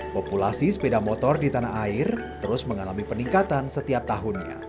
populasi sepeda motor di tanah air terus mengalami peningkatan setiap tahunnya